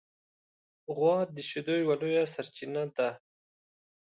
غوا د شیدو یوه لویه سرچینه ده.